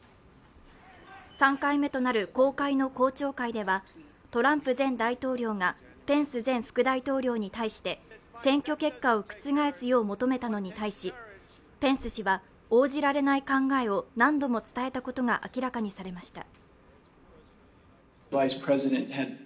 ３回目となる公開の公聴会ではトランプ前大統領がペンス前副大統領に対して選挙結果を覆すよう求めたのに対しペンス氏は応じられない考えを何度も伝えたことが明らかにされました。